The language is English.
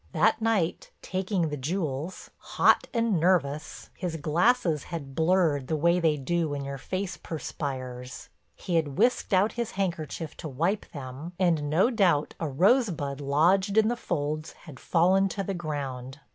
That night, taking the jewels, hot and nervous, his glasses had blurred the way they do when your face perspires. He had whisked out his handkerchief to wipe them, and no doubt a rosebud lodged in the folds had fallen to the ground.